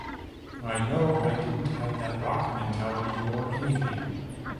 I "know" I didn't have that rock mentality or anything.